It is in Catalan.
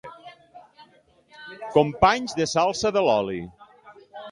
Companys de salsa de l'oli.